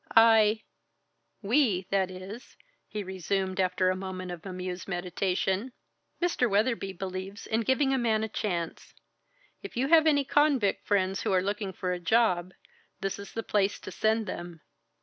I we that is," he resumed after a moment of amused meditation, "Mr. Weatherby believes in giving a man a chance. If you have any convict friends, who are looking for a job, this is the place to send them.